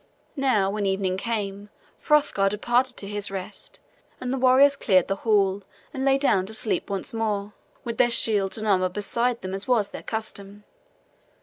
Now when evening came Hrothgar departed to his rest, and the warriors cleared the hall and lay down to sleep once more, with their shields and armor beside them as was their custom.